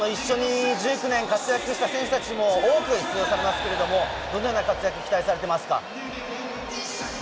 １９年活躍した選手たちも多く出場されますが、どのような活躍を期待されていますか？